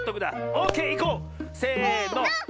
オーケーいこう！せの。